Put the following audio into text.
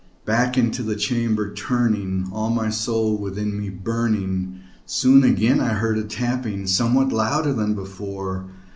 Back into the chamber turning, all my soul within me burning, Soon I heard again a tapping, somewhat louder than before.